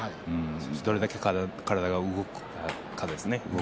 どれだけ体が動くかですね。